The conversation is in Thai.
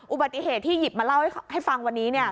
อุบัติเหตุที่หยิบมาเล่าให้ฟังวันนี้